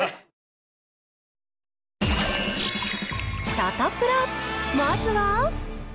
サタプラ、まずは。